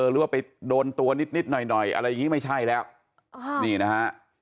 หรือว่าไปโดนตัวนิดหน่อยอะไรอย่างนี้ไม่ใช่แล้วนี่นะฮะ